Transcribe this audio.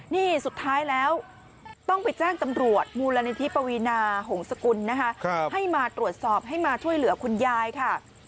นี่สุดท้ายแล้วต้องไปแจ้งตำรวจมูลนิธิปวีนาหงษกุลนะคะให้มาตรวจสอบให้มาช่วยเหลือคุณยายค่ะ